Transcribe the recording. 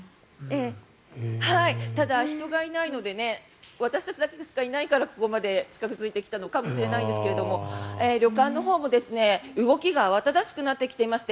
ただ、人がいないので私たちだけしかいないからここまで近付いてきたのかもしれないんですけど旅館のほうも、動きが慌ただしくなってきていまして